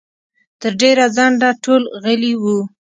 تر ډېره ځنډه ټول غلي وو.